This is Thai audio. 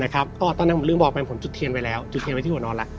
ก็ตอนนั้นผมลืมบอกไปผมจุดเทียนไว้แล้วจุดเทียนไว้ที่หัวนอนแล้ว